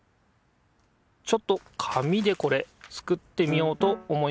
ちょっと紙でこれ作ってみようと思います。